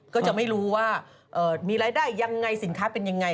ก็จะไม่รู้ว่ามีรายได้ยังไงสินค้าเป็นยังไง